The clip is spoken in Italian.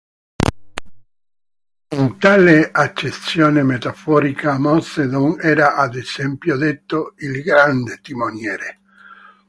In tale accezione metaforica, Mao Zedong era ad esempio detto "il Grande Timoniere".